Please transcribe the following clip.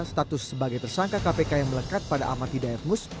status sebagai tersangka kpk yang melekat pada ahmad hidayatmus